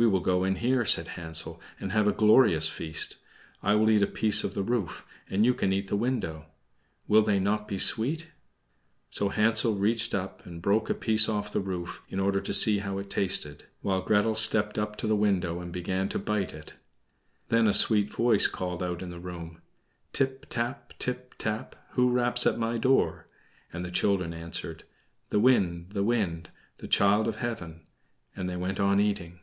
"We will go in there," said Hansel, "and have a glorious feast. I will eat a piece of the roof, and you can eat the window. Will they not be sweet?" So Hansel reached up and broke a piece off the roof, in order to see how it tasted; while Gretel stepped up to the window and began to bite it. Then a sweet voice called out in the room, "Tip tap, tip tap, who raps at my door?" and the children answered, "The wind, the wind, the child of heaven;" and they went on eating.